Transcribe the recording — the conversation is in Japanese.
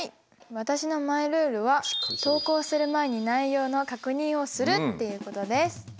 私のマイルールは投稿する前に内容の確認をするっていうことです。